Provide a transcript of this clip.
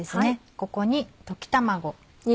ここに溶き卵。